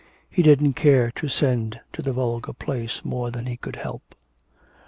He didn't care to send to the vulgar place more than he could help.